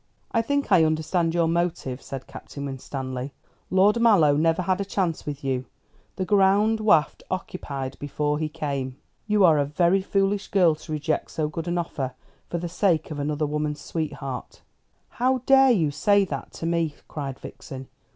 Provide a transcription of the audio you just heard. "I think I understand your motive," said Captain Winstanley. "Lord Mallow never had a chance with you. The ground was occupied before he came. You are a very foolish girl to reject so good an offer for the sake of another woman's sweetheart." "How dare you say that to me?" cried Vixen.